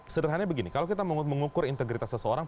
sederhananya begini kalau kita mengukur integritas seseorang